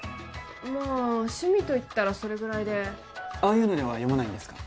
まあ趣味といったらそれぐらいでああいうのでは読まないんですか